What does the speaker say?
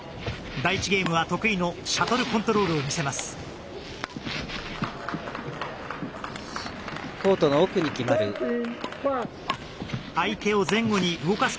第１ゲームは得意のシャトルコントロールを見せます。